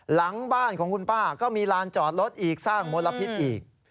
หลังบ้านของคุณป้าก็มีลานจอดรถอีกสร้างมลพิษอีก